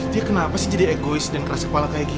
dia kenapa sih jadi egois dan keras kepala kayak gini